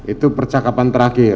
itu percakapan terakhir